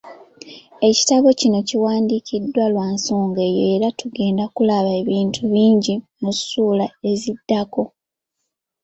Ekitabo kino kiwandiikiddwa lwa nsonga eyo era tugenda kulaba ebintu bingi mu ssuula eziddako